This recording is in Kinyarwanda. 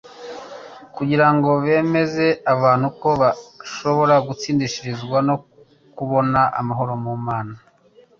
kugira ngo bemeze abantu ko bashobora gutsindishirizwa no kubona amahoro mu Mana,